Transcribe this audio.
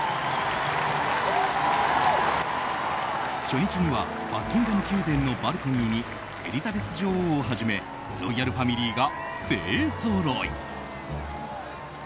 初日にはバッキンガム宮殿のバルコニーにエリザベス女王をはじめロイヤルファミリーが勢ぞろい。